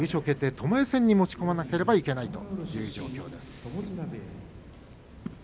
ともえ戦に持ち込まなければいけないという状況です。